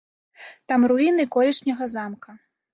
Там руіны колішняга замка.